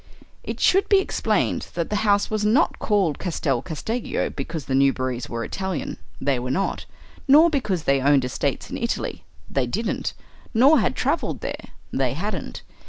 It should be explained that the house was not called Castel Casteggio because the Newberrys were Italian: they were not; nor because they owned estates in Italy: they didn't nor had travelled there: they hadn't.